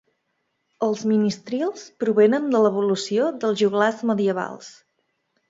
Els ministrils provenen de l’evolució dels joglars medievals.